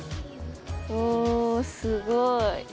おすごい。